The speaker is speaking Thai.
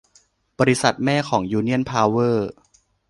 บริษัทแม่ของยูเนี่ยนเพาเวอร์